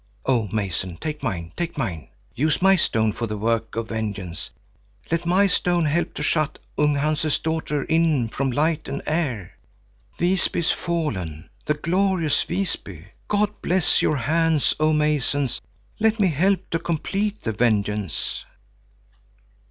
"Oh mason, take mine, take mine! Use my stone for the work of vengeance! Let my stone help to shut Ung Hanse's daughter in from light and air! Visby is fallen, the glorious Visby! God bless your hands, oh masons! Let me help to complete the vengeance!"